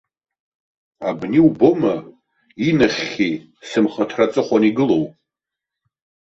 Абни убома, инахьхьи, сымхырҭа аҵыхәан игылоу?